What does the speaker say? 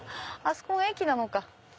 あそこが駅なのか。